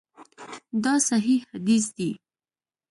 دا صحیح حدیث دی.